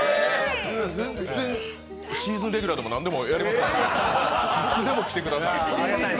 全然、シーズンレギュラーでも何でもやりますからいつでも来てください。